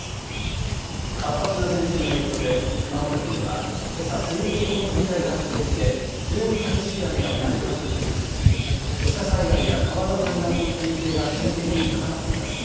活発な前線の影響で熊本県ではけさ線状降水帯が発生して非常に激しい雨が同じ場所に降り続き土砂災害や川の氾濫の危険性が急激に高まっています。